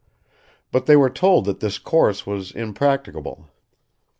But they were told that this course was impracticable.